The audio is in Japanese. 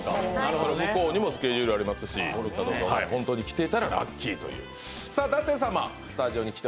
向こうにもスケジュールありますし、本当に来ていただけたらラッキーということで。